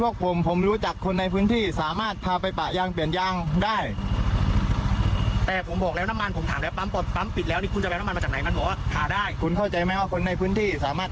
ก็ไปสุดความสามารถแล้วจริงพวกใคร